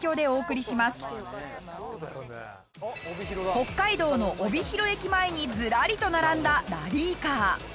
北海道の帯広駅前にずらりと並んだラリーカー。